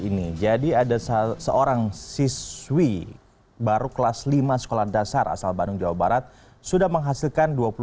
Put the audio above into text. ini jadi ada seorang siswi baru kelas lima sekolah dasar asal bandung jawa barat sudah menghasilkan